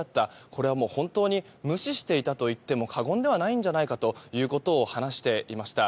これは本当に無視していたといっても過言ではないんじゃないかと話していました。